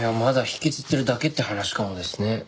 まだ引きずってるだけって話かもですね。